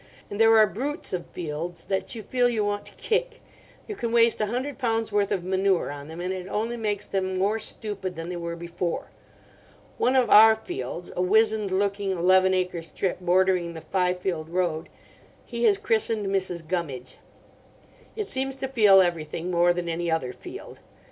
And there are brutes of fields that you feel you want to kick. You can waste a hundred pounds' worth of manure on them, and it only makes them more stupid than they were before. One of our fields—a wizened looking eleven acre strip bordering the Fyfield road—he has christened Mrs. Gummidge: it seems to feel everything more than any other field.